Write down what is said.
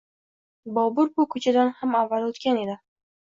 Bobur bu koʻchadan avval ham oʻtgan edi.